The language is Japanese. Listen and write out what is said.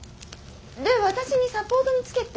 で私にサポートにつけって？